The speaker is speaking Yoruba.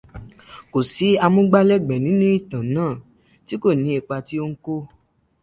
Kò sí amúgbálẹ́gbẹ̀ẹ́ inú ìtàn náà tí kò ní ipa tí ó ń kó.